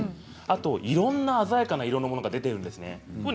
いろんな鮮やかなものが出ているんですね。